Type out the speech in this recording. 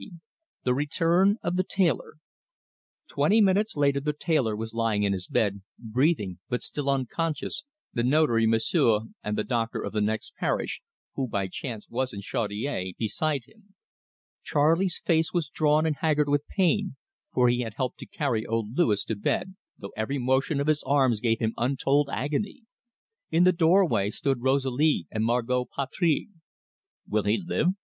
THE RETURN OF THE TAILOR Twenty minutes later the tailor was lying in his bed, breathing, but still unconscious, the Notary, M'sieu', and the doctor of the next parish, who by chance was in Chaudiere, beside him. Charley's face was drawn and haggard with pain, for he had helped to carry old Louis to bed, though every motion of his arms gave him untold agony. In the doorway stood Rosalie and Margot Patry. "Will he live?"